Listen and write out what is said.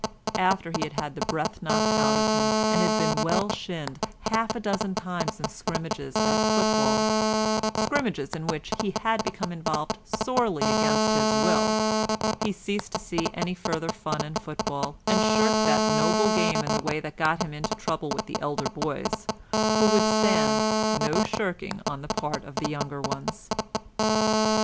After he had had the breath knocked out of him and been well shinned half a dozen times in scrimmages at football—scrimmages in which he had become involved sorely against his will—he ceased to see any further fun in football, and shirked that noble game in a way that got him into trouble with the elder boys, who would stand no shirking on the part of the younger ones.